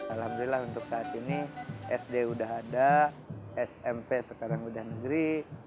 alhamdulillah untuk saat ini sd udah ada smp sekarang udah negeri